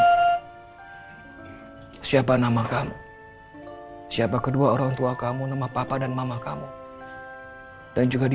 hai siapa nama kamu yang kedua orang tua kamu nama papa dan mama kamu dan juga di